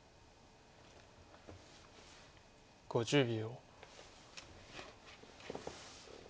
５０秒。